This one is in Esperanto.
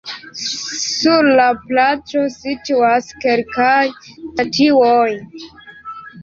Sur la placo situas kelkaj statuoj.